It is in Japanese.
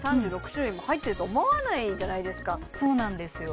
３６種類も入ってると思わないじゃないですかそうなんですよ